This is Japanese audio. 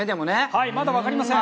はいまだわかりません。